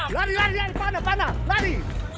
lari lari panah panah lari